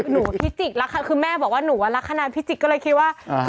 หนูพี่จิ๊กคือแม่บอกว่าหนูอะรักษณะพี่จิ๊กก็เลยคิดว่าคือตอนแรกที่